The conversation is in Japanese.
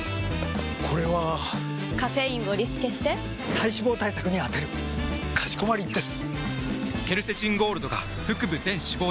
これはカフェインをリスケして体脂肪対策に充てるかしこまりです！！